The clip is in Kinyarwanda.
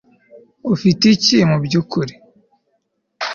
ufite iki mubyukuri